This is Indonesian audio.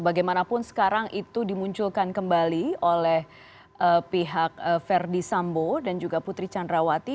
bagaimanapun sekarang itu dimunculkan kembali oleh pihak verdi sambo dan juga putri candrawati